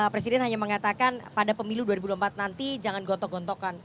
presiden hanya mengatakan pada pemilu dua ribu empat nanti jangan gotok gontokan